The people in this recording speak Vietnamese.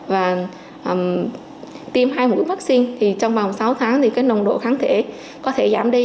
và tiêm hai mũi vaccine thì trong vòng sáu tháng thì cái nồng độ kháng thể có thể giảm đi